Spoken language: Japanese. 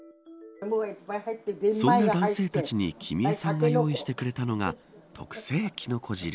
そんな男性たちに君枝さんが用意してくれたのが特製きのこ汁で。